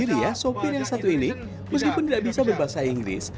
jadi ya sopir yang satu ini meskipun tidak bisa berbahasa inggris